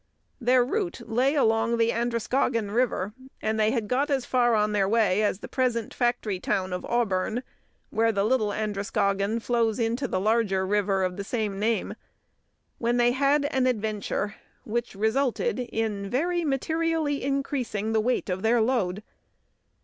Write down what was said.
Their route lay along the Androscoggin River, and they had got as far on their way as the present factory town of Auburn, where the Little Androscoggin flows into the larger river of the same name, when they had an adventure which resulted in very materially increasing the weight of their load.